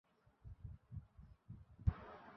আর captain নিলকে খবর দাও।